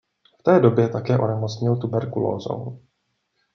V této době také onemocněl tuberkulózou.